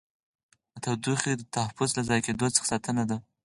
د تودوخې تحفظ له ضایع کېدو څخه ساتنه ده.